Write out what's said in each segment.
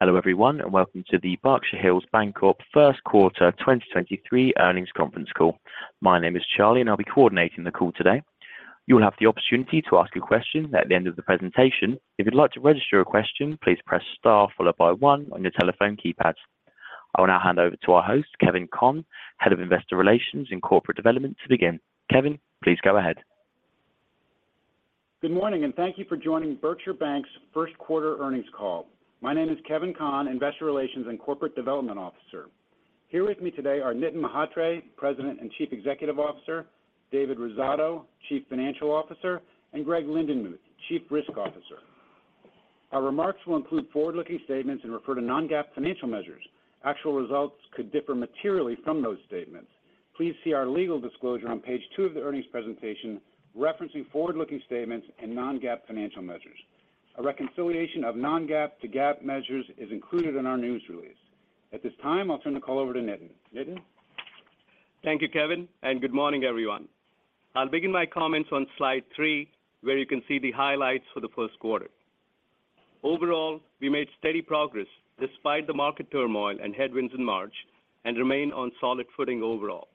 Hello, everyone, and welcome to the Berkshire Hills Bancorp first quarter 2023 earnings conference call. My name is Charlie, and I'll be coordinating the call today. You will have the opportunity to ask a question at the end of the presentation. If you'd like to register your question, please press star followed by one on your telephone keypad. I will now hand over to our host, Kevin Conn, Head of Investor Relations and Corporate Development, to begin. Kevin, please go ahead. Good morning, and thank you for joining Berkshire Bank's first quarter earnings call. My name is Kevin Conn, Investor Relations and Corporate Development Officer. Here with me today are Nitin Mhatre, President and Chief Executive Officer, David Rosato, Chief Financial Officer, and Gregory Lindenmuth, Chief Risk Officer. Our remarks will include forward-looking statements and refer to non-GAAP financial measures. Actual results could differ materially from those statements. Please see our legal disclosure on page two of the earnings presentation referencing forward-looking statements and non-GAAP financial measures. A reconciliation of non-GAAP to GAAP measures is included in our news release. At this time, I'll turn the call over to Nitin. Nitin? Thank you, Kevin, and good morning, everyone. I'll begin my comments on slide three, where you can see the highlights for the first quarter. Overall, we made steady progress despite the market turmoil and headwinds in March and remain on solid footing overall.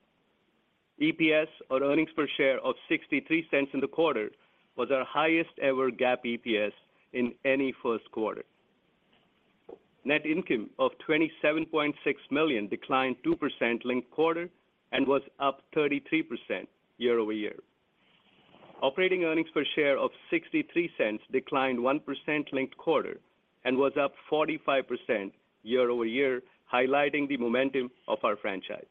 EPS or earnings per share of $0.63 in the quarter was our highest ever GAAP EPS in any first quarter. Net income of $27.6 million declined 2% linked quarter and was up 33% year-over-year. Operating earnings per share of $0.63 declined 1% linked quarter and was up 45% year-over-year, highlighting the momentum of our franchise.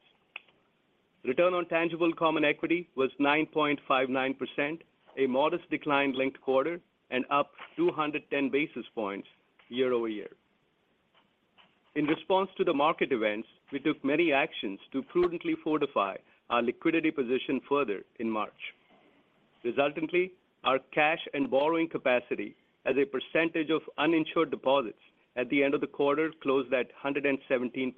Return on tangible common equity was 9.59%, a modest decline linked quarter and up 210 basis points year-over-year. In response to the market events, we took many actions to prudently fortify our liquidity position further in March. Resultantly, our cash and borrowing capacity as a percentage of uninsured deposits at the end of the quarter closed at 117%.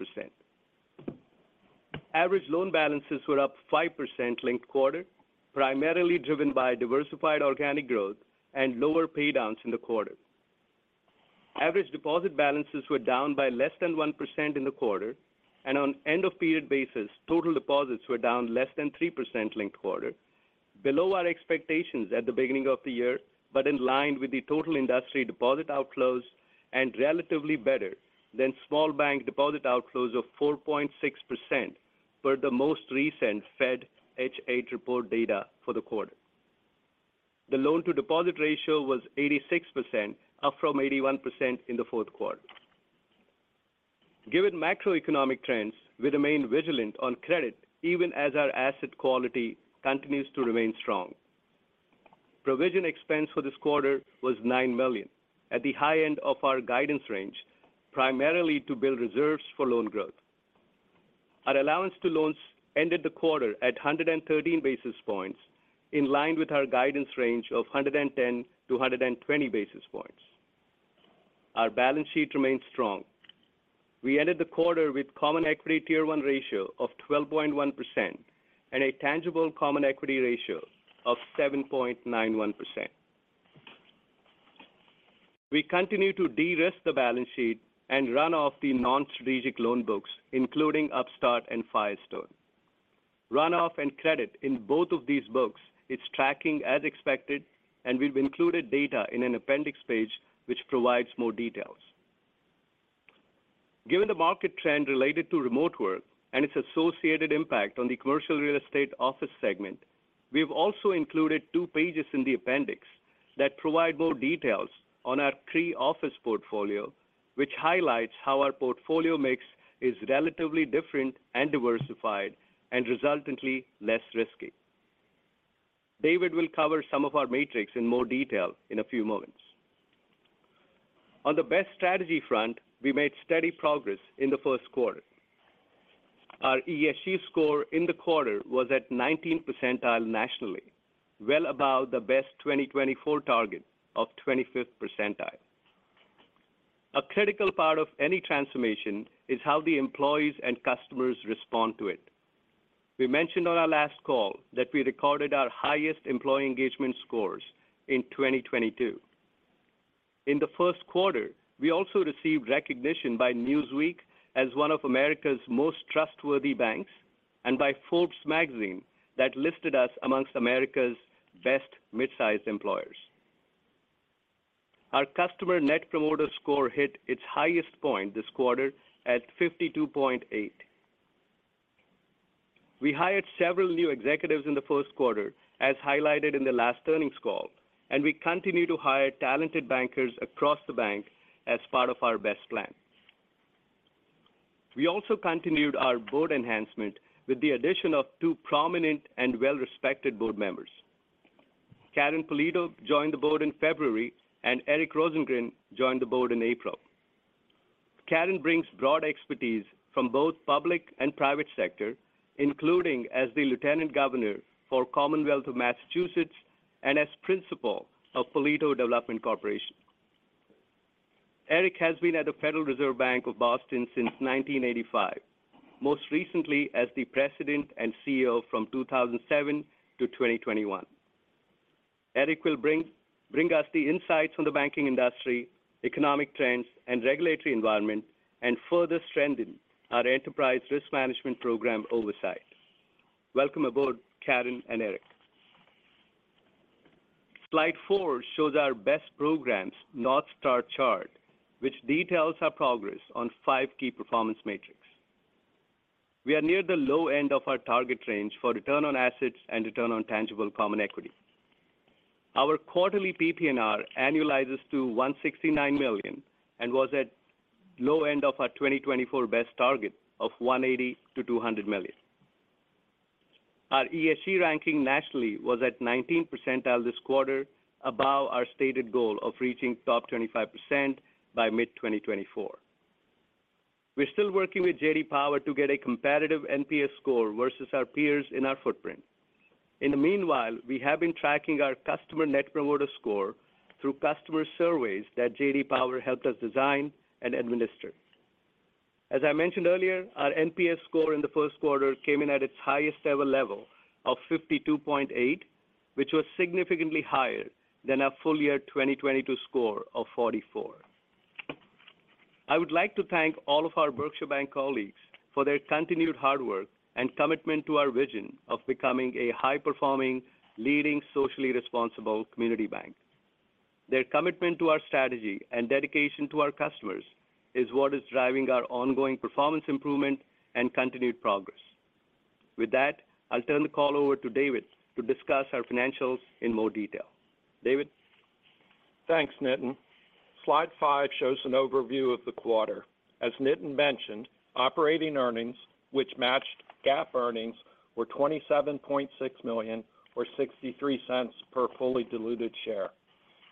Average loan balances were up 5% linked quarter, primarily driven by diversified organic growth and lower pay downs in the quarter. Average deposit balances were down by less than 1% in the quarter, and on end of period basis, total deposits were down less than 3% linked quarter. Below our expectations at the beginning of the year, but in line with the total industry deposit outflows and relatively better than small bank deposit outflows of 4.6% for the most recent Fed H.8 report data for the quarter. The loan to deposit ratio was 86%, up from 81% in the fourth quarter. Given macroeconomic trends, we remain vigilant on credit even as our asset quality continues to remain strong. Provision expense for this quarter was $9 million at the high end of our guidance range, primarily to build reserves for loan growth. Our allowance to loans ended the quarter at 113 basis points in line with our guidance range of 110-120 basis points. Our balance sheet remains strong. We ended the quarter with Common Equity Tier 1 ratio of 12.1% and a Tangible Common Equity ratio of 7.91%. We continue to de-risk the balance sheet and run off the non-strategic loan books, including Upstart and Firestone. Runoff and credit in both of these books is tracking as expected. We've included data in an appendix page which provides more details. Given the market trend related to remote work and its associated impact on the commercial real estate office segment, we've also included two pages in the appendix that provide more details on our three-office portfolio, which highlights how our portfolio mix is relatively different and diversified and resultantly less risky. David will cover some of our metrics in more detail in a few moments. On the BEST strategy front, we made steady progress in the first quarter. Our ESG score in the quarter was at 19th percentile nationally, well above the BEST 2024 target of 25th percentile. A critical part of any transformation is how the employees and customers respond to it. We mentioned on our last call that we recorded our highest employee engagement scores in 2022. In the first quarter, we also received recognition by Newsweek as one of America's most trustworthy banks and by Forbes that listed us amongst America's best mid-sized employers. Our customer net promoter score hit its highest point this quarter at 52.8. We hired several new executives in the first quarter, as highlighted in the last earnings call, and we continue to hire talented bankers across the bank as part of our BEST plan. We also continued our board enhancement with the addition of two prominent and well-respected board members. Karyn Polito joined the board in February, and Eric Rosengren joined the board in April. Karyn brings broad expertise from both public and private sector, including as the Lieutenant Governor for Commonwealth of Massachusetts and as principal of Polito Development Corporation. Eric has been at the Federal Reserve Bank of Boston since 1985, most recently as the president and CEO from 2007 to 2021. Eric will bring us the insights on the banking industry, economic trends and regulatory environment, and further strengthen our enterprise risk management program oversight. Welcome aboard Karyn and Eric. Slide four shows our BEST programs North Star chart, which details our progress on five key performance metrics. We are near the low end of our target range for Return on Assets and Return on Tangible Common Equity. Our quarterly PPNR annualizes to $169 million and was at low end of our 2024 BEST target of $180 million-$200 million. Our ESG ranking nationally was at 19th percentile this quarter, above our stated goal of reaching top 25% by mid-2024. We're still working with J.D. Power.. ..to get a competitive NPS score versus our peers in our footprint. In the meanwhile, we have been tracking our customer net promoter score through customer surveys that J.D. Power helped us design and administer. As I mentioned earlier, our NPS score in the first quarter came in at its highest ever level of 52.8, which was significantly higher than our full year 2022 score of 44. I would like to thank all of our Berkshire Bank colleagues for their continued hard work and commitment to our vision of becoming a high-performing, leading, socially responsible community bank. Their commitment to our strategy and dedication to our customers is what is driving our ongoing performance improvement and continued progress. With that, I'll turn the call over to David to discuss our financials in more detail. David. Thanks, Nitin. Slide five shows an overview of the quarter. As Nitin mentioned, operating earnings, which matched GAAP earnings, were $27.6 million, or $0.63 per fully diluted share,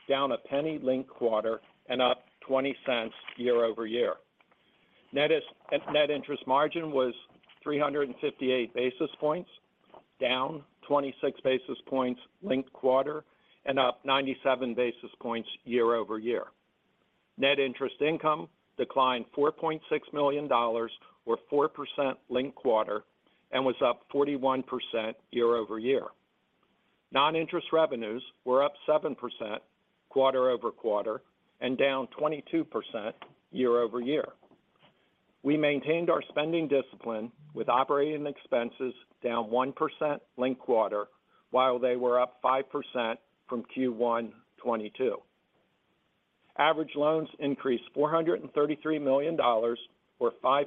down a penny linked quarter and up $0.20 year-over-year. Net interest margin was 358 basis points, down 26 basis points linked quarter and up 97 basis points year-over-year. Net interest income declined $4.6 million or 4% linked quarter and was up 41% year-over-year. Non-interest revenues were up 7% quarter-over-quarter and down 22% year-over-year. We maintained our spending discipline with operating expenses down 1% linked quarter while they were up 5% from Q1 2022. Average loans increased $433 million or 5%,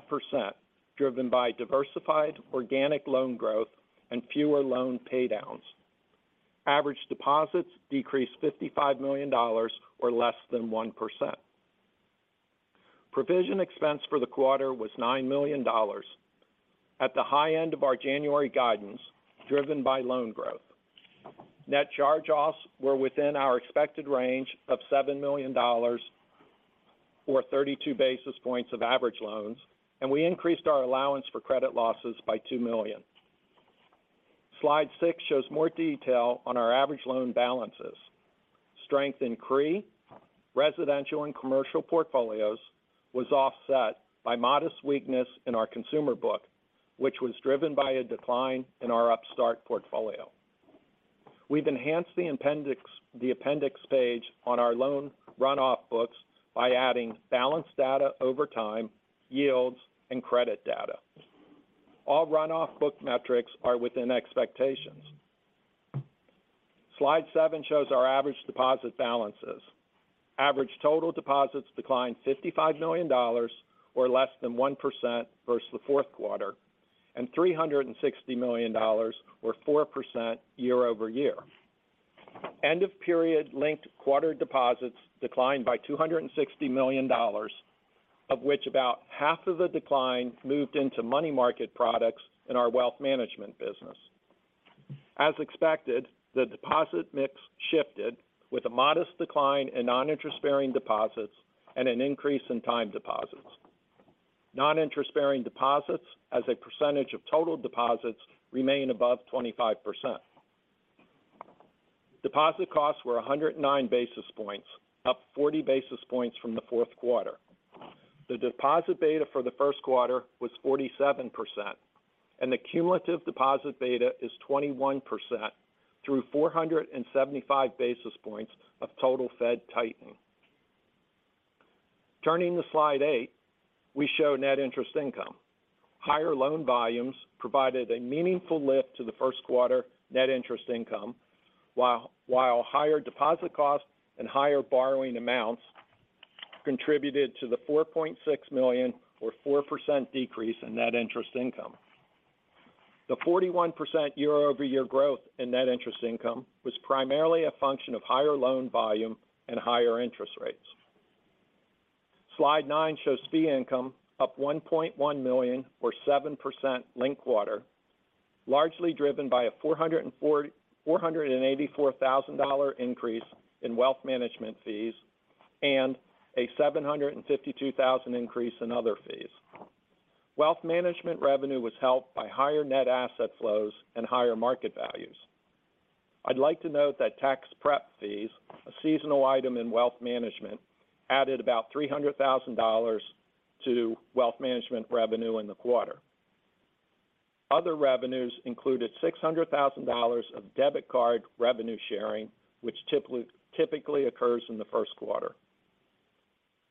driven by diversified organic loan growth and fewer loan paydowns. Average deposits decreased $55 million or less than 1%. Provision expense for the quarter was $9 million. At the high end of our January guidance driven by loan growth. Net charge-offs were within our expected range of $7 million or 32 basis points of average loans. We increased our allowance for credit losses by $2 million. Slide six shows more detail on our average loan balances. Strength in CRE, residential and commercial portfolios was offset by modest weakness in our consumer book, which was driven by a decline in our Upstart portfolio. We've enhanced the appendix page on our loan runoff books by adding balance data over time, yields, and credit data. All runoff book metrics are within expectations. Slide seven shows our average deposit balances. Average total deposits declined $55 million or less than 1% versus the fourth quarter, and $360 million or 4% year-over-year. End of period linked quarter deposits declined by $260 million, of which about half of the decline moved into money market products in our wealth management business. As expected, the deposit mix shifted with a modest decline in non-interest-bearing deposits and an increase in time deposits. Non-interest-bearing deposits as a percentage of total deposits remain above 25%. Deposit costs were 109 basis points, up 40 basis points from the fourth quarter. The deposit beta for the first quarter was 47%, and the cumulative deposit beta is 21% through 475 basis points of total Fed tightening. Turning to slide eight, we show net interest income. Higher loan volumes provided a meaningful lift to the first quarter net interest income, while higher deposit costs and higher borrowing amounts contributed to the $4.6 million or 4% decrease in net interest income. The 41% year-over-year growth in net interest income was primarily a function of higher loan volume and higher interest rates. Slide nine shows fee income up $1.1 million or 7% linked quarter, largely driven by a $484,000 increase in wealth management fees and a $752,000 increase in other fees. Wealth management revenue was helped by higher net asset flows and higher market values. I'd like to note that tax prep fees, a seasonal item in wealth management, added about $300,000 to wealth management revenue in the quarter. Other revenues included $600,000 of debit card revenue sharing, which typically occurs in the first quarter.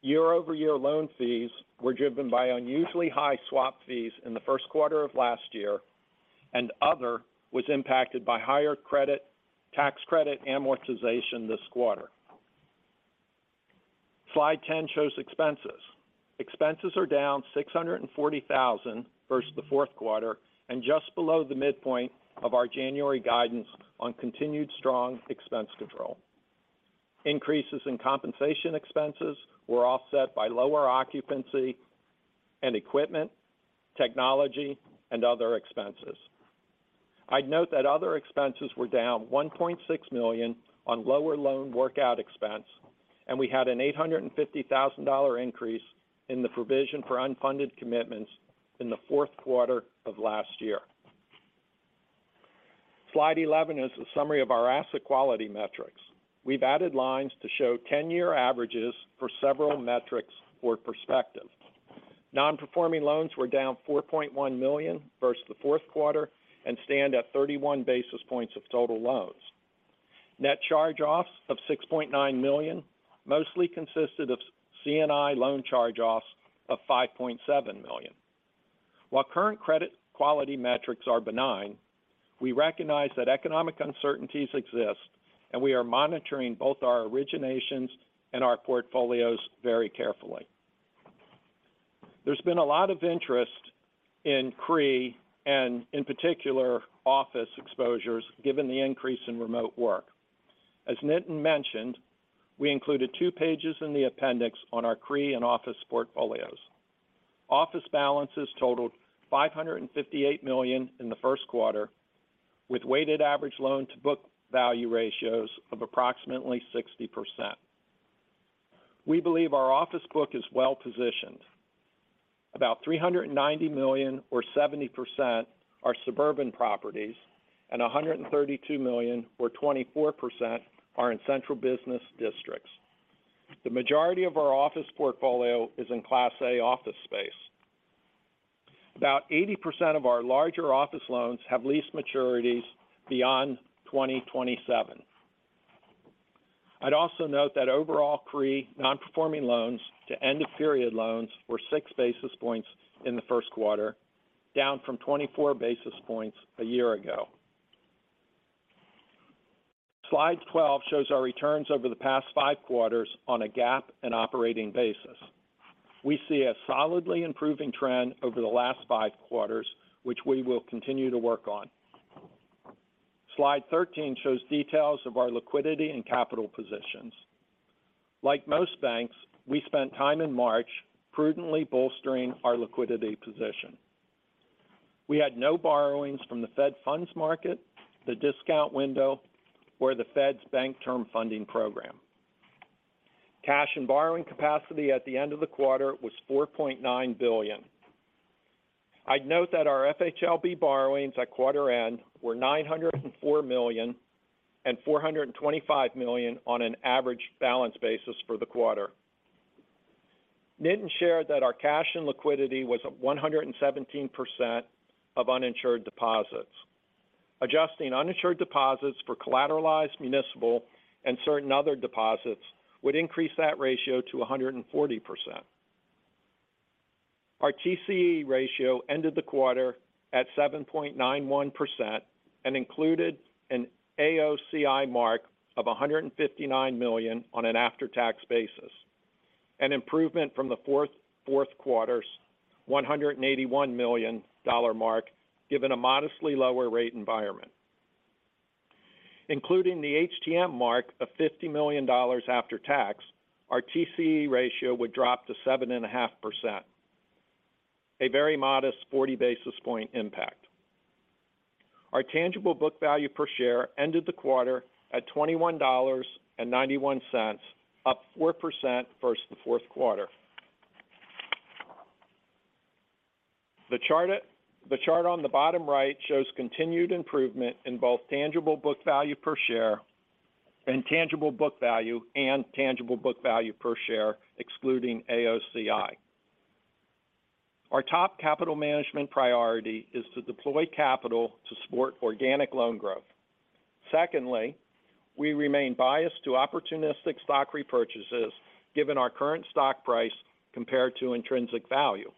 Year-over-year loan fees were driven by unusually high swap fees in the first quarter of last year. Other was impacted by higher tax credit amortization this quarter. Slide 10 shows expenses. Expenses are down $640,000 versus the fourth quarter and just below the midpoint of our January guidance on continued strong expense control. Increases in compensation expenses were offset by lower occupancy and equipment, technology and other expenses. I'd note that other expenses were down $1.6 million on lower loan workout expense, we had an $850,000 increase in the provision for unfunded commitments in the fourth quarter of last year. Slide 11 is a summary of our asset quality metrics. We've added lines to show 10-year averages for several metrics for perspective. Non-performing loans were down $4.1 million versus the fourth quarter and stand at 31 basis points of total loans. Net charge-offs of $6.9 million mostly consisted of C&I loan charge-offs of $5.7 million. While current credit quality metrics are benign, we recognize that economic uncertainties exist, we are monitoring both our originations and our portfolios very carefully. There's been a lot of interest in CRE and, in particular, office exposures given the increase in remote work. As Nitin mentioned, we included two pages in the appendix on our CRE and office portfolios. Office balances totaled $558 million in the first quarter, with weighted average loan-to-book value ratios of approximately 60%. We believe our office book is well-positioned. About $390 million, or 70%, are suburban properties, and $132 million, or 24%, are in central business districts. The majority of our office portfolio is in Class A office space. About 80% of our larger office loans have lease maturities beyond 2027. I'd also note that overall CRE non-performing loans to end-of-period loans were 6 basis points in the first quarter, down from 24 basis points a year ago. Slide 12 shows our returns over the past five quarters on a GAAP and operating basis. We see a solidly improving trend over the last five quarters, which we will continue to work on. Slide 13 shows details of our liquidity and capital positions. Like most banks, we spent time in March prudently bolstering our liquidity position. We had no borrowings from the Fed Funds Market, the discount window or the Fed's Bank Term Funding Program. Cash and borrowing capacity at the end of the quarter was $4.9 billion. I'd note that our FHLB borrowings at quarter end were $904 million and $425 million on an average balance basis for the quarter. Nitin shared that our cash and liquidity was 117% of uninsured deposits. Adjusting uninsured deposits for collateralized municipal and certain other deposits would increase that ratio to 140%. Our TCE ratio ended the quarter at 7.91% and included an AOCI mark of $159 million on an after-tax basis, an improvement from the fourth quarter's $181 million mark given a modestly lower rate environment. Including the HTM mark of $50 million after tax, our TCE ratio would drop to 7.5%, a very modest 40-basis-point impact. Our tangible book value per share ended the quarter at $21.91, up 4% versus the fourth quarter. The chart on the bottom right shows continued improvement in both tangible book value per share and tangible book value per share, excluding AOCI. Our top capital management priority is to deploy capital to support organic loan growth. Secondly, we remain biased to opportunistic stock repurchases given our current stock price compared to intrinsic value.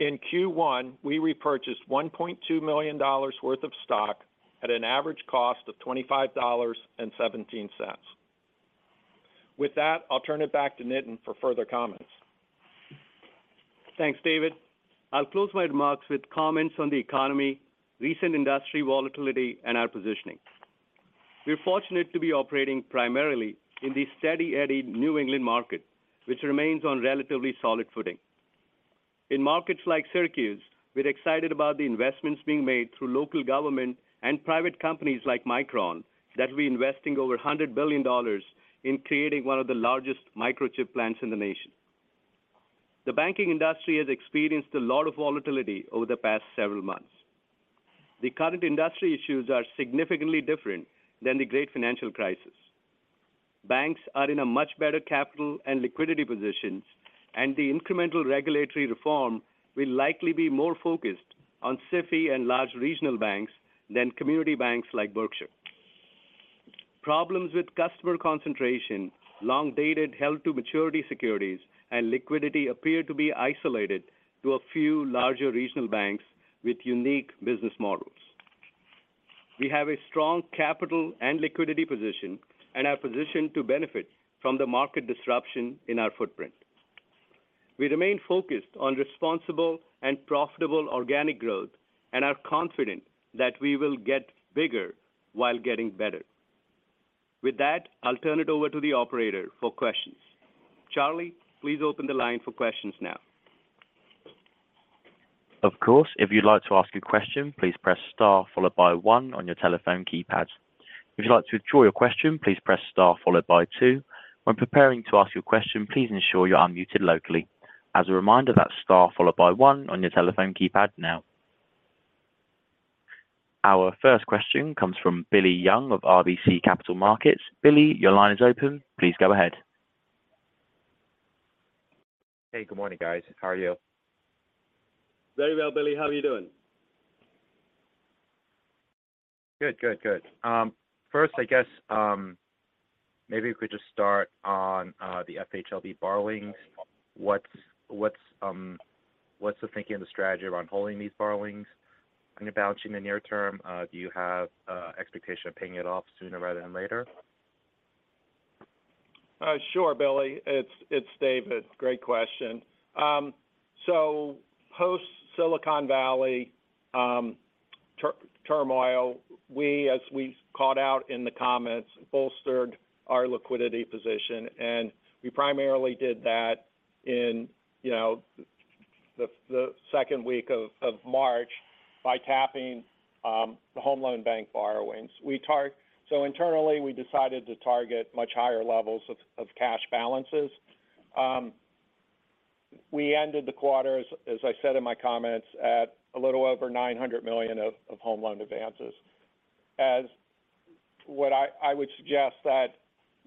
In Q1, we repurchased $1.2 million worth of stock at an average cost of $25.17. With that, I'll turn it back to Nitin for further comments. Thanks, David. I'll close my remarks with comments on the economy, recent industry volatility, and our positioning. We're fortunate to be operating primarily in the Steady Eddie New England market, which remains on relatively solid footing. In markets like Syracuse, we're excited about the investments being made through local government and private companies like Micron that will be investing over $100 billion in creating one of the largest microchip plants in the nation. The banking industry has experienced a lot of volatility over the past several months. The current industry issues are significantly different than the Great Financial Crisis. Banks are in a much better capital and liquidity positions, and the incremental regulatory reform will likely be more focused on SIFI and large regional banks than community banks like Berkshire. Problems with customer concentration, long-dated held-to-maturity securities, and liquidity appear to be isolated to a few larger regional banks with unique business models. We have a strong capital and liquidity position and are positioned to benefit from the market disruption in our footprint. We remain focused on responsible and profitable organic growth and are confident that we will get bigger while getting better. With that, I'll turn it over to the operator for questions. Charlie, please open the line for questions now. Of course. If you'd like to ask a question, please press star followed by one on your telephone keypad. If you'd like to withdraw your question, please press star followed by two. When preparing to ask your question, please ensure you're unmuted locally. As a reminder, that's star followed by one on your telephone keypad now. Our first question comes from Billy Young of RBC Capital Markets. Billy, your line is open. Please go ahead. Hey, good morning, guys. How are you? Very well, Billy. How are you doing? Good. Good. Good. First, I guess, maybe if we could just start on the FHLB borrowings. What's the thinking and the strategy around holding these borrowings on your balance sheet in the near term? Do you have expectation of paying it off sooner rather than later? Sure, Billy. It's David. Great question. Post Silicon Valley turmoil, we, as we called out in the comments, bolstered our liquidity position. We primarily did that in, you know, the second week of March by tapping the Home Loan Bank borrowings. Internally, we decided to target much higher levels of cash balances. We ended the quarter, as I said in my comments, at a little over $900 million of Home Loan advances. As what I would suggest that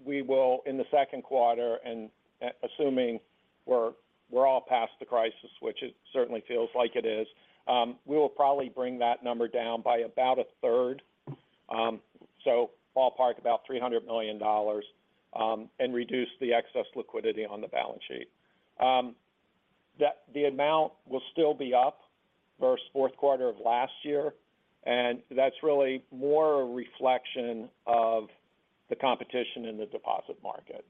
we will, in the second quarter, and assuming we're all past the crisis, which it certainly feels like it is, we will probably bring that number down by about a third, ballpark about $300 million, and reduce the excess liquidity on the balance sheet. The amount will still be up versus fourth quarter of last year, and that's really more a reflection of the competition in the deposit market,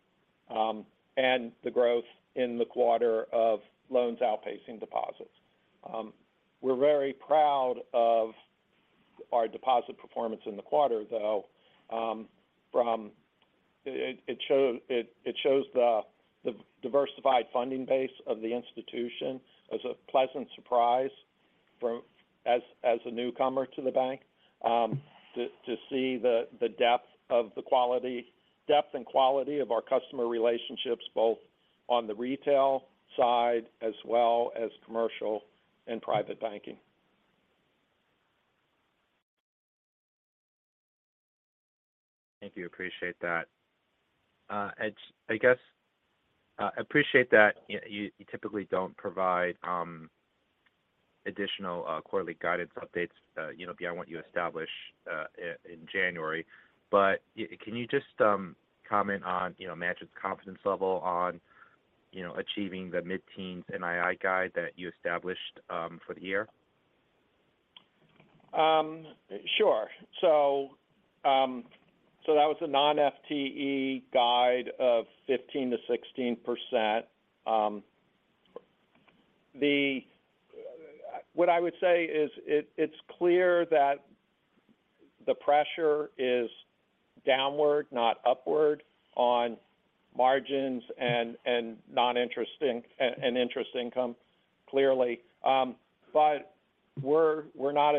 and the growth in the quarter of loans outpacing deposits. We're very proud of our deposit performance in the quarter, though, It shows the diversified funding base of the institution. It was a pleasant surprise as a newcomer to the bank, to see the depth and quality of our customer relationships, both on the retail side as well as commercial and private banking. Thank you. Appreciate that. I guess, appreciate that you typically don't provide additional quarterly guidance updates, you know, beyond what you establish in January. Can you just comment on, you know, management's confidence level on, you know, achieving the mid-teens NII guide that you established for the year? Sure. That was a non-FTE guide of 15%-16%. What I would say is it's clear that the pressure is downward, not upward on margins and non-interest income and interest income, clearly. We're not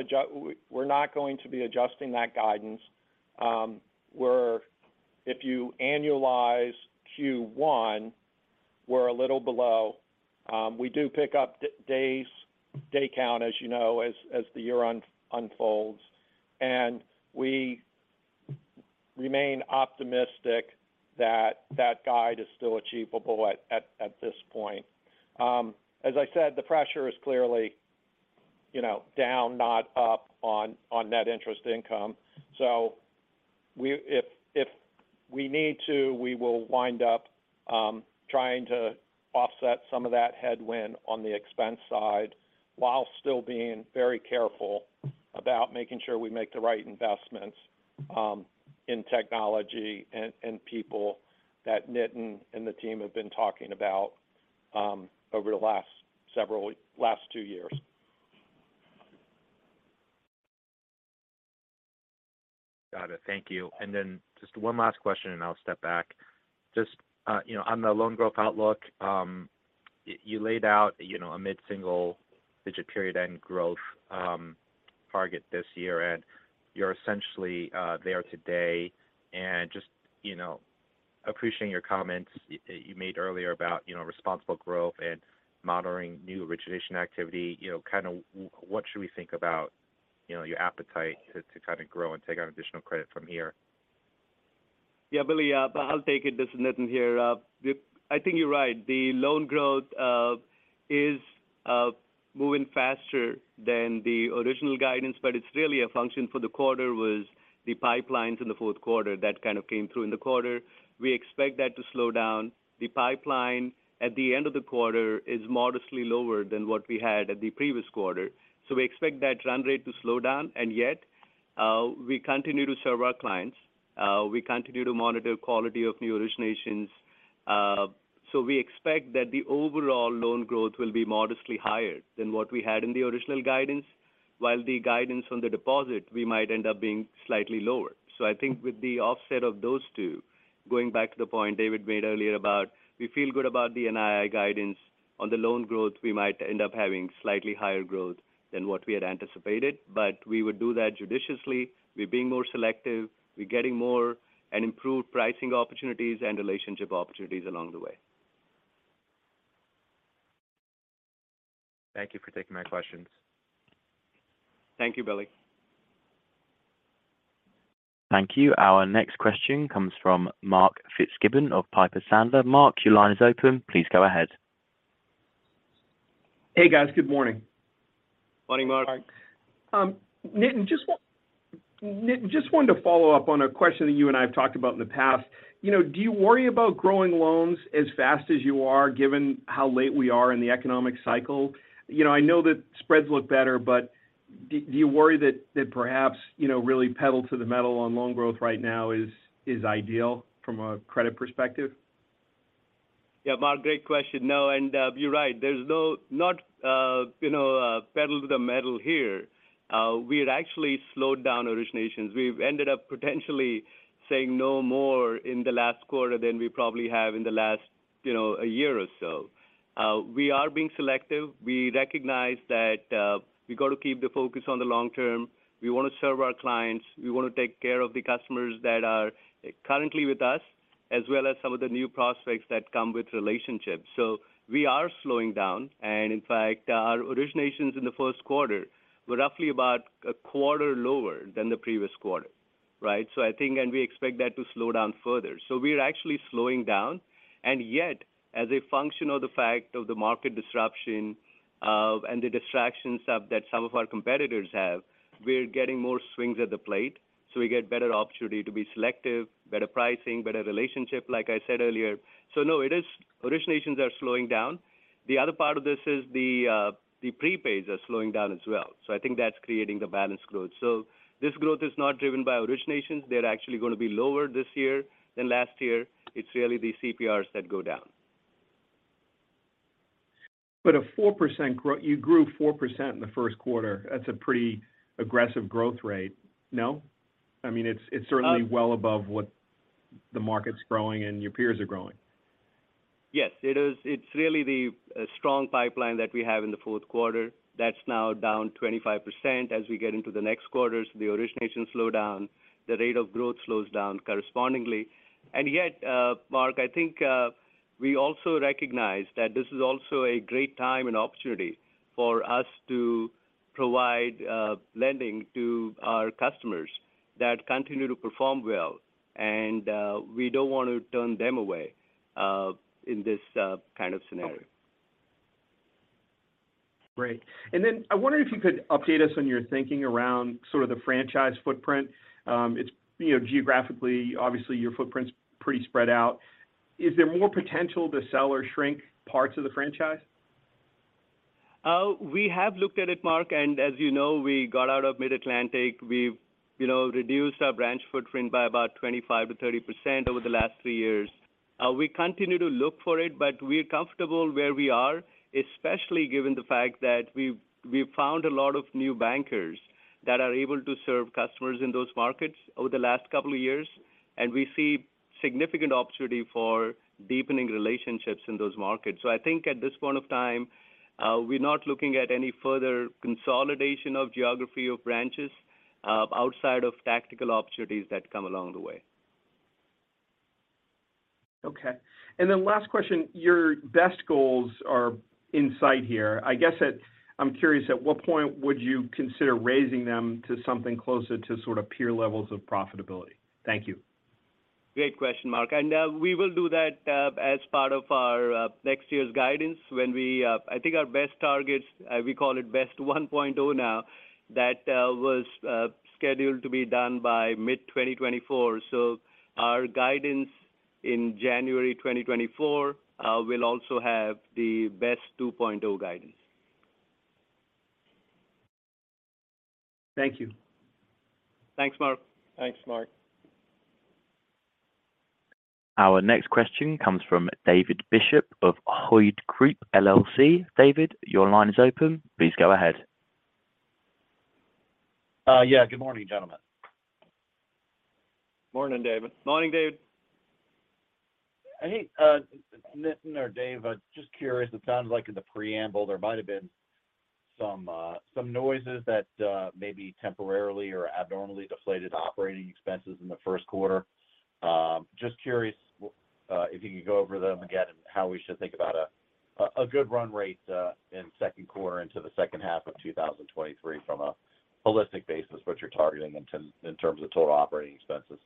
going to be adjusting that guidance. If you annualize Q1, we're a little below. We do pick up day count, as you know, as the year unfolds. And we remain optimistic that that guide is still achievable at this point. As I said, the pressure is clearly, you know, down, not up on net interest income. If we need to, we will wind up trying to offset some of that headwind on the expense side while still being very careful about making sure we make the right investments in technology and people that Nitin and the team have been talking about over the last two years. Got it. Thank you. Just one last question, and I'll step back. Just, you know, on the loan growth outlook, you laid out, you know, a mid-single digit period end growth target this year, and you're essentially there today. Just, you know, appreciating your comments you made earlier about, you know, responsible growth and monitoring new origination activity, you know, kind of what should we think about? You know, your appetite to kind of grow and take on additional credit from here. Yeah, Billy, I'll take it. This is Nitin here. I think you're right. The loan growth is moving faster than the original guidance, but it's really a function for the quarter was the pipelines in the fourth quarter that kind of came through in the quarter. We expect that to slow down. The pipeline at the end of the quarter is modestly lower than what we had at the previous quarter. We expect that run rate to slow down, and yet, we continue to serve our clients. We continue to monitor quality of new originations. We expect that the overall loan growth will be modestly higher than what we had in the original guidance. The guidance on the deposit, we might end up being slightly lower. I think with the offset of those two, going back to the point David made earlier about we feel good about the NII guidance. On the loan growth, we might end up having slightly higher growth than what we had anticipated, but we would do that judiciously. We're being more selective. We're getting more and improved pricing opportunities and relationship opportunities along the way. Thank you for taking my questions. Thank you, Billy. Thank you. Our next question comes from Mark Fitzgibbon of Piper Sandler. Mark, your line is open. Please go ahead. Hey, guys. Good morning. Morning, Mark. Morning, Mark. Nitin, just wanted to follow up on a question that you and I have talked about in the past. You know, do you worry about growing loans as fast as you are given how late we are in the economic cycle? You know, I know that spreads look better, but do you worry that perhaps, you know, really pedal to the metal on loan growth right now is ideal from a credit perspective? Yeah, Mark, great question. No, and you're right. There's no not, you know, pedal to the metal here. We had actually slowed down originations. We've ended up potentially saying no more in the last quarter than we probably have in the last, you know, year or so. We are being selective. We recognize that we got to keep the focus on the long term. We want to serve our clients. We want to take care of the customers that are currently with us, as well as some of the new prospects that come with relationships. We are slowing down. In fact, our originations in the first quarter were roughly about a quarter lower than the previous quarter, right? I think. We expect that to slow down further. We're actually slowing down. Yet, as a function of the fact of the market disruption, and the distractions that some of our competitors have, we're getting more swings at the plate, so we get better opportunity to be selective, better pricing, better relationship, like I said earlier. No, originations are slowing down. The other part of this is the prepays are slowing down as well. I think that's creating the balance growth. This growth is not driven by originations. They're actually going to be lowered this year than last year. It's really the CPRs that go down. You grew 4% in the first quarter. That's a pretty aggressive growth rate. No? I mean. Uh-... it's certainly well above what the market's growing and your peers are growing. Yes, it is. It's really the strong pipeline that we have in the fourth quarter. That's now down 25%. As we get into the next quarters, the originations slow down, the rate of growth slows down correspondingly. Yet, Mark, I think, we also recognize that this is also a great time and opportunity for us to provide lending to our customers that continue to perform well. We don't want to turn them away in this kind of scenario. Okay. Great. I wonder if you could update us on your thinking around sort of the franchise footprint. You know, geographically, obviously, your footprint's pretty spread out. Is there more potential to sell or shrink parts of the franchise? We have looked at it, Mark, as you know, we got out of Mid-Atlantic. We've, you know, reduced our branch footprint by about 25%-30% over the last three years. We continue to look for it, but we're comfortable where we are, especially given the fact that we've found a lot of new bankers that are able to serve customers in those markets over the last couple of years, and we see significant opportunity for deepening relationships in those markets. I think at this point of time, we're not looking at any further consolidation of geography of branches outside of tactical opportunities that come along the way. Okay. Last question. Your BEST goals are in sight here. I guess I'm curious, at what point would you consider raising them to something closer to sort of peer levels of profitability? Thank you. Great question, Mark. We will do that as part of our next year's guidance. I think our BEST targets, we call it BEST 1.0 now, that was scheduled to be done by mid-2024. Our guidance in January 2024 will also have the BEST 2.0 guidance. Thank you. Thanks, Mark. Thanks, Mark. Our next question comes from David Bishop of Hovde Group, LLC. David, your line is open. Please go ahead. Yeah, good morning, gentlemen. Morning, David. Morning, David. I think Nitin or David, just curious, it sounds like in the preamble there might have been some noises that maybe temporarily or abnormally deflated operating expenses in the first quarter. Just curious, if you could go over them again and how we should think about a good run rate in second quarter into the second half of 2023 from a holistic basis, what you're targeting in terms of total operating expenses?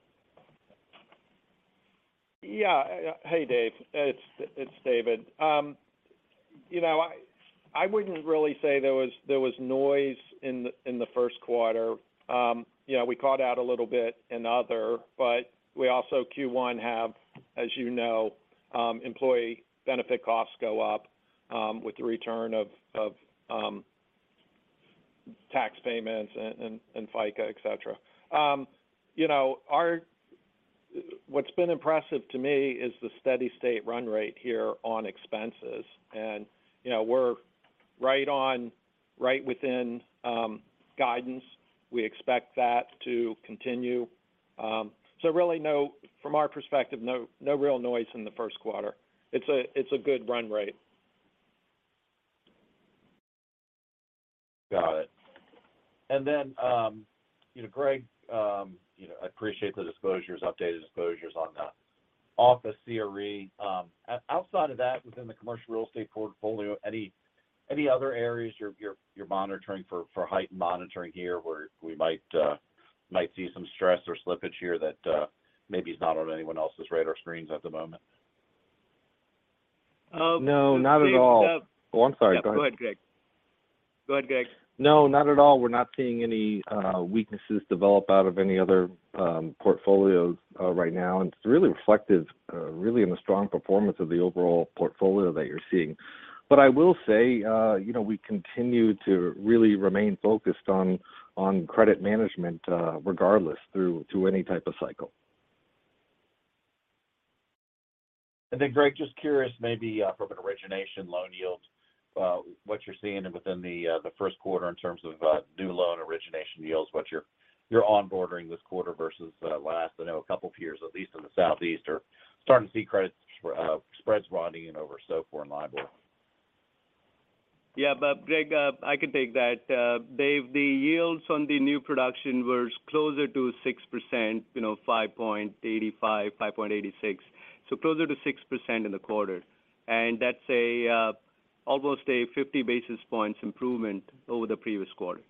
Hey David, it's David. You know, I wouldn't really say there was noise in the first quarter. You know, we called out a little bit in other, but we also Q1 have, as you know, employee benefit costs go up with the return of tax payments and FICA, et cetera. You know, what's been impressive to me is the steady-state run rate here on expenses. You know, we're right on, right within guidance. We expect that to continue. Really no from our perspective, no real noise in the first quarter. It's a good run rate. Got it. You know, Greg, you know, I appreciate the disclosures, updated disclosures on the office CRE. Outside of that, within the commercial real estate portfolio, any other areas you're monitoring for height monitoring here where we might see some stress or slippage here that maybe is not on anyone else's radar screens at the moment? No, not at all. Oh, I'm sorry. Go ahead. Yeah. Go ahead, Greg. No, not at all. We're not seeing any weaknesses develop out of any other portfolios right now. It's really reflective, really in the strong performance of the overall portfolio that you're seeing. I will say, you know, we continue to really remain focused on credit management, regardless through to any type of cycle. Then Greg, just curious maybe, from an origination loan yields, what you're seeing within the first quarter in terms of new loan origination yields, what you're onboarding this quarter versus last, I know a couple of years, at least in the Southeast, are starting to see credit spreads widening over SOFR and LIBOR? Greg, I can take that. David, the yields on the new production were closer to 6%, you know, 5.85%, 5.86%. Closer to 6% in the quarter. That's almost a 50 basis points improvement over the previous quarter.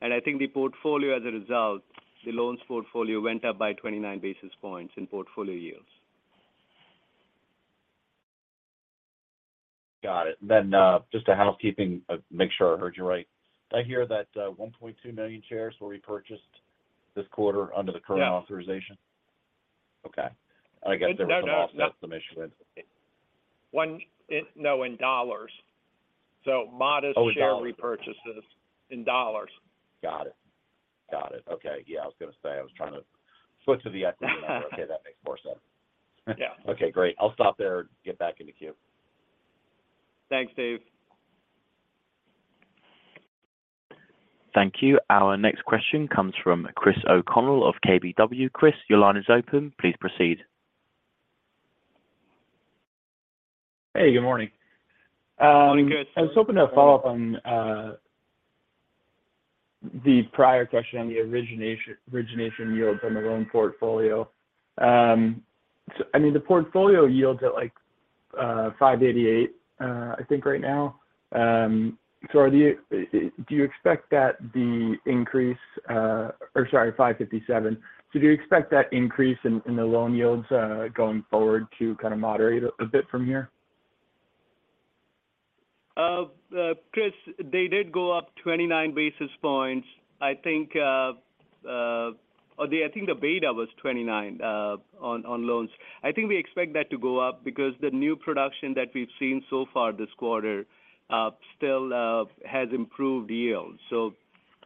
I think the portfolio as a result, the loans portfolio went up by 29 basis points in portfolio yields. Got it. Just a housekeeping, make sure I heard you right. Did I hear that, 1.2 million shares were repurchased this quarter under the current- Yeah authorization? Okay. I guess there was No. some issue with it. No, in dollars. modest- Oh, in dollars. share repurchases in dollars. Got it. Okay. Yeah, I was going to say I was trying to switch to the equity number. Okay, that makes more sense. Yeah. Okay, great. I'll stop there and get back into queue. Thanks, David. Thank you. Our next question comes from Christopher O'Connell of KBW. Christopher, your line is open. Please proceed. Hey, good morning. Good I was hoping to follow up on the prior question on the origination yields on the loan portfolio. I mean, the portfolio yields at like 5.88%, I think right now. Do you expect that the increase or sorry, 5.57%? Do you expect that increase in the loan yields going forward to kind of moderate a bit from here? Chris, they did go up 29 basis points. I think the beta was 29 on loans. I think we expect that to go up because the new production that we've seen so far this quarter still has improved yields.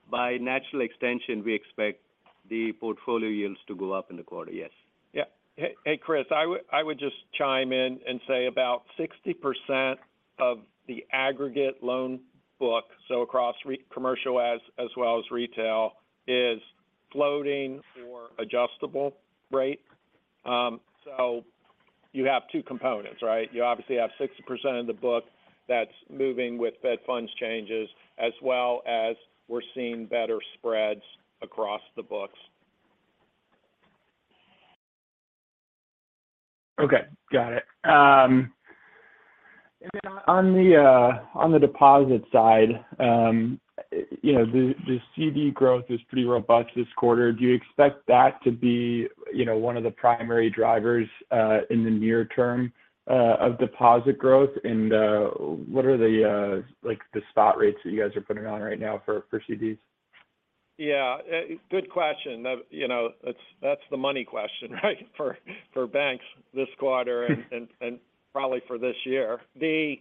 By natural extension, we expect the portfolio yields to go up in the quarter. Yes. Yeah. Hey Christopher, I would just chime in and say about 60% of the aggregate loan book, so across commercial as well as retail, is floating or adjustable rate. You have two components, right? You obviously have 60% of the book that's moving with Fed Funds changes, as well as we're seeing better spreads across the books. Okay. Got it. Then on the deposit side, you know, the CD growth is pretty robust this quarter. Do you expect that to be, you know, one of the primary drivers in the near term of deposit growth? What are the like the spot rates that you guys are putting on right now for CDs? Yeah. Good question. That, you know, that's the money question, right? For banks this quarter and probably for this year. Yes,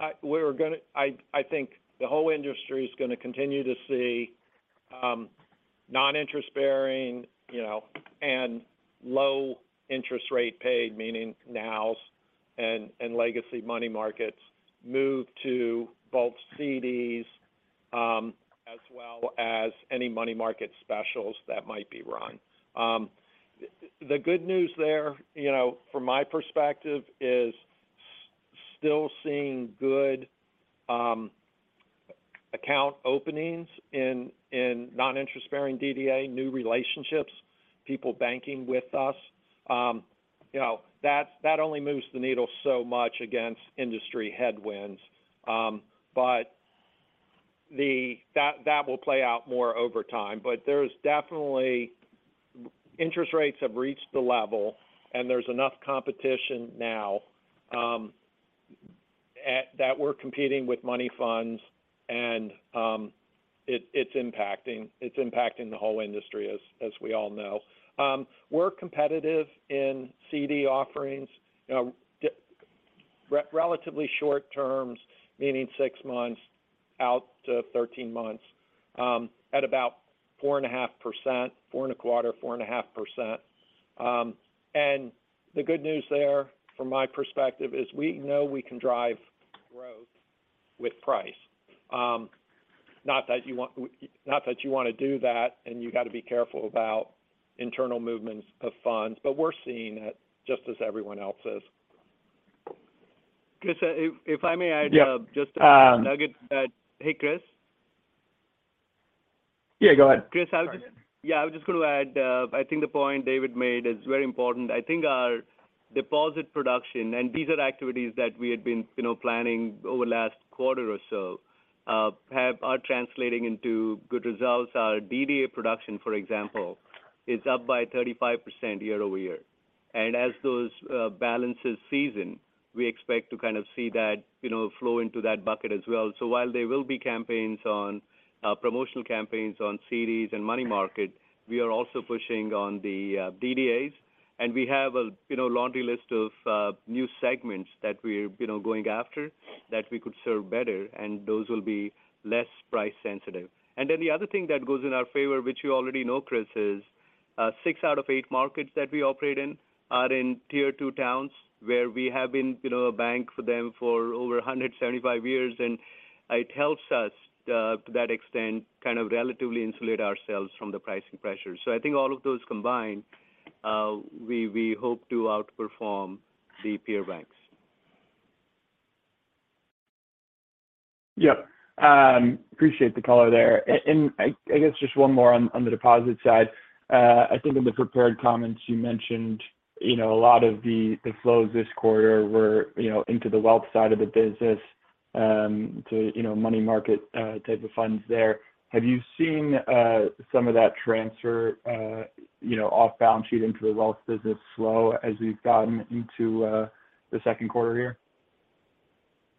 I think the whole industry is going to continue to see non-interest-bearing, you know, and low interest rate paid, meaning nows and legacy money markets move to both CDs as well as any money market specials that might be run. The good news there, you know, from my perspective is. Still seeing good account openings in non-interest-bearing DDA, new relationships, people banking with us. You know, that only moves the needle so much against industry headwinds. That will play out more over time. There're definitely interest rates have reached the level, and there's enough competition now that we're competing with money funds and it's impacting the whole industry, as we all know. We're competitive in CD offerings. You know, relatively short terms, meaning six months out to 13 months, at about 4.5%, 4.25%, 4.5%. The good news there, from my perspective, is we know we can drive growth with price. Not that you wanna do that, and you gotta be careful about internal movements of funds, but we're seeing it just as everyone else is. Christopher, if I may add... Yeah... just a nugget. Hey, Christopher? Yeah, go ahead. Christopher, I'll. Sorry. Yeah, I was just gonna add, I think the point David made is very important. I think our deposit production, and these are activities that we had been, you know, planning over last quarter or so, are translating into good results. Our DDA production, for example, is up by 35% year-over-year. As those balances season, we expect to kind of see that, you know, flow into that bucket as well. While there will be campaigns on promotional campaigns on CDs and money market, we are also pushing on the DDAs. We have a, you know, laundry list of new segments that we're, you know, going after that we could serve better, and those will be less price sensitive. The other thing that goes in our favor, which you already know, Christopher, is six out of eight markets that we operate in are in Tier 2 towns where we have been, you know, a bank for them for over 175 years, and it helps us to that extent, kind of relatively insulate ourselves from the pricing pressure. I think all of those combined, we hope to outperform the peer banks. Yeah. Appreciate the color there. And I guess just one more on the deposit side. I think in the prepared comments you mentioned, you know, a lot of the flows this quarter were, you know, into the wealth side of the business, to, you know, money market type of funds there. Have you seen, some of that transfer, you know, off balance sheet into the wealth business slow as we've gotten into, the second quarter here?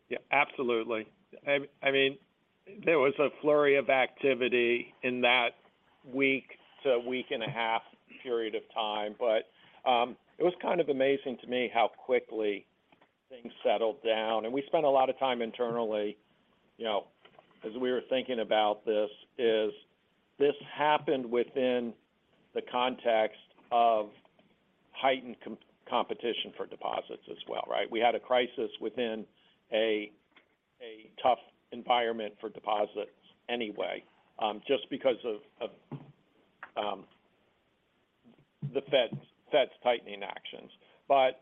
Yeah, absolutely. I mean, there was a flurry of activity in that week to week and a half period of time. But, it was kind of amazing to me how quickly things settled down. We spent a lot of time internally, you know, as we were thinking about this, is this happened within the context of heightened competition for deposits as well, right? We had a crisis within a tough environment for deposits anyway, just because of the Fed's tightening actions. But,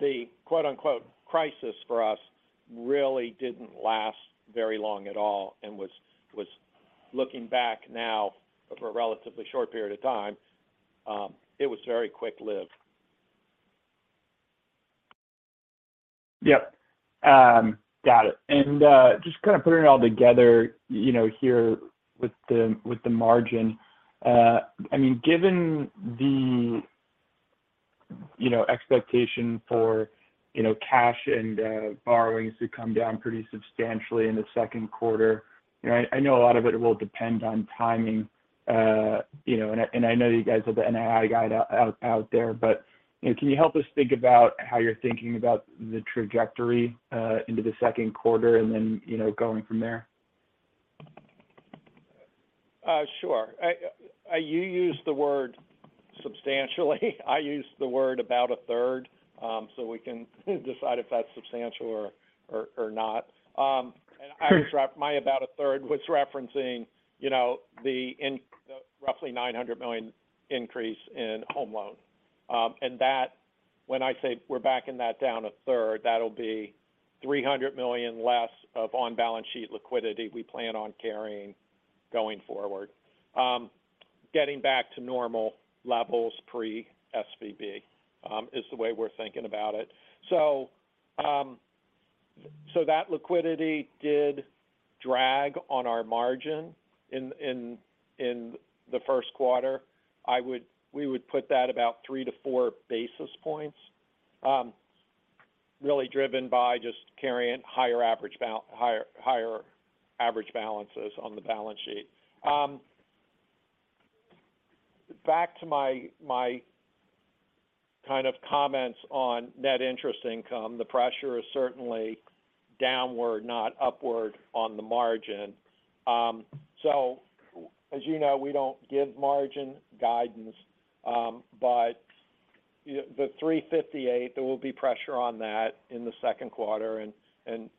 the, quote-unquote, "crisis" for us really didn't last very long at all and was looking back now over a relatively short period of time, it was very quick lived. Yep. got it. Just kind of putting it all together, you know, here with the, with the margin. I mean, given the, you know, expectation for, you know, cash and borrowings to come down pretty substantially in the second quarter, you know, I know a lot of it will depend on timing. You know, I know you guys have the NII guide out there. You know, can you help us think about how you're thinking about the trajectory into the second quarter and then, you know, going from there? Sure. you used the word substantially. I used the word about a third. We can decide if that's substantial or not. I was my about a third was referencing, you know, the roughly $900 million increase in Home Loan. That when I say we're backing that down a third, that'll be $300 million less of on-balance sheet liquidity we plan on carrying going forward. Getting back to normal levels pre-SVB is the way we're thinking about it. That liquidity did drag on our margin in the first quarter. We would put that about 3-4 basis points, really driven by just carrying higher average higher average balances on the balance sheet. Back to my kind of comments on Net Interest Income. The pressure is certainly downward, not upward on the margin. As you know, we don't give margin guidance. The 358 basis points, there will be pressure on that in the second quarter and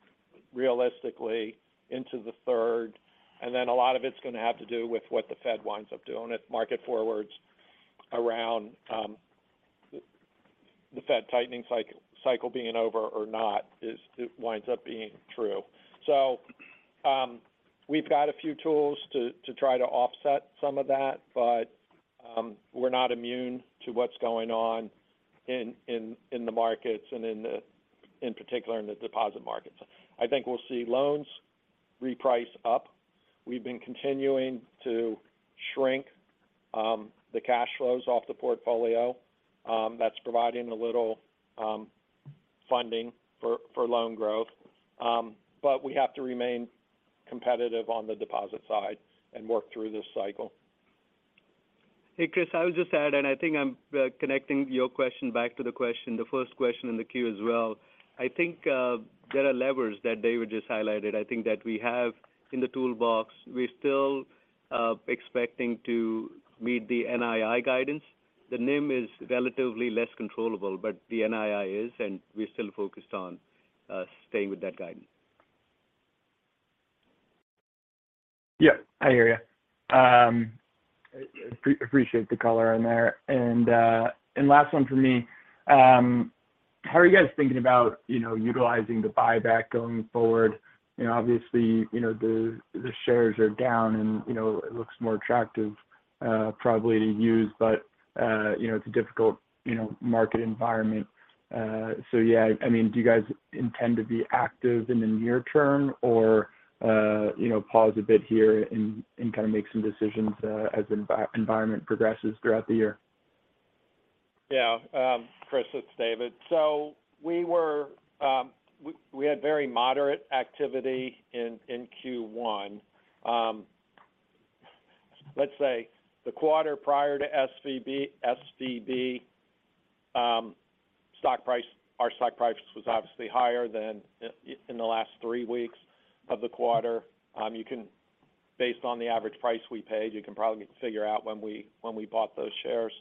realistically into the third. A lot of its gonna have to do with what the Fed winds up doing. If market forwards around the Fed tightening cycle being over or not it winds up being true. We've got a few tools to try to offset some of that, but we're not immune to what's going on in the markets and in particular in the deposit markets. I think we'll see loans reprice up. We've been continuing to shrink the cash flows off the portfolio. That's providing a little funding for loan growth. We have to remain competitive on the deposit side and work through this cycle. Hey, Christopher, I would just add. I think I'm connecting your question back to the question, the first question in the queue as well. I think there are levers that David just highlighted, I think that we have in the toolbox. We're still expecting to meet the NII guidance. The NIM is relatively less controllable, but the NII is. We're still focused on staying with that guidance. Yeah, I hear you. Appreciate the color on there. Last one from me. How are you guys thinking about, you know, utilizing the buyback going forward? You know, obviously, you know, the shares are down and, you know, it looks more attractive, probably to use but, you know, it's a difficult, you know, market environment. Yeah, I mean, do you guys intend to be active in the near term or, you know, pause a bit here and kind of make some decisions, as environment progresses throughout the year? Christopher, it's David. We had very moderate activity in Q1. Let's say the quarter prior to SVB, our stock price was obviously higher than in the last three weeks of the quarter. Based on the average price we paid, you can probably figure out when we bought those shares.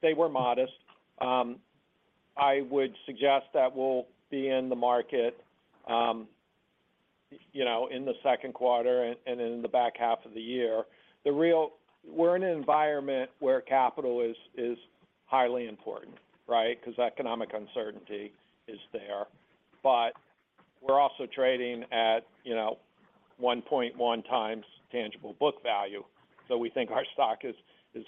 They were modest. I would suggest that we'll be in the market, you know, in the second quarter and in the back half of the year. We're in an environment where capital is highly important, right? Economic uncertainty is there. We're also trading at, you know, 1.1x tangible book value. We think our stock is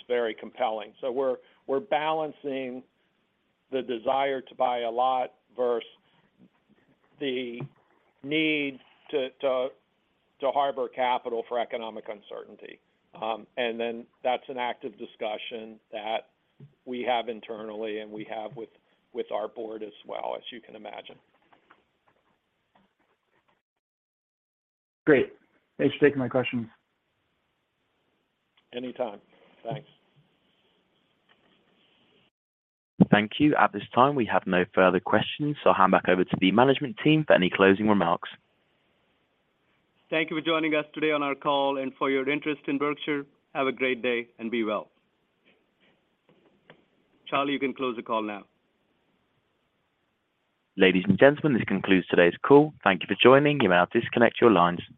very compelling. We're balancing the desire to buy a lot versus the need to harbor capital for economic uncertainty. That's an active discussion that we have internally and we have with our Board as well, as you can imagine. Great. Thanks for taking my questions. Anytime. Thanks. Thank you. At this time, we have no further questions. I'll hand back over to the management team for any closing remarks. Thank you for joining us today on our call and for your interest in Berkshire. Have a great day and be well. Charlie, you can close the call now. Ladies and gentlemen, this concludes today's call. Thank you for joining. You may now disconnect your lines.